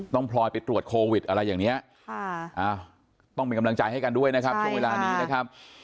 พลอยไปตรวจโควิดอะไรอย่างนี้ต้องเป็นกำลังใจให้กันด้วยนะครับช่วงเวลานี้นะครับ